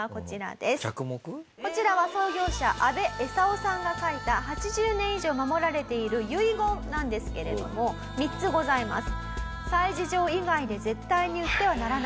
こちらは創業者阿部恵三男さんが書いた８０年以上守られている遺言なんですけれども３つございます。